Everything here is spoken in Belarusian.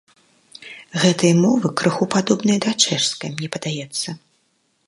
Гэтыя мовы крыху падобныя да чэшскай, мне падаецца.